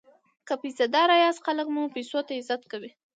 که پیسه داره یاست خلک مو پیسو ته عزت کوي.